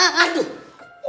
mamah mamah aduh